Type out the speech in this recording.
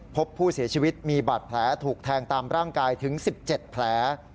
พบผู้เสียชีวิตมีบาดแผลถูกแทงตามร่างกายถึง๑๗แผล